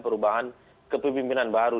perubahan kepemimpinan baru